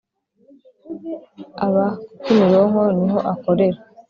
aba ku kimironko niho akorera